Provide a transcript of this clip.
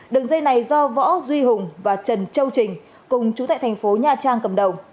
đường dây này do võ duy hùng và trần châu trình cùng chú tại thành phố nha trang cầm đầu